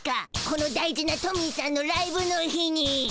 この大事なトミーしゃんのライブの日に！